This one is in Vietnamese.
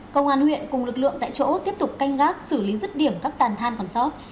công an huyện cùng lực lượng tại chỗ tiếp tục canh gác xử lý rứt điểm các tàn than còn sót